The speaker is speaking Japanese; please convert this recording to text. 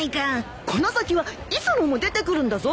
この先は磯野も出てくるんだぞ。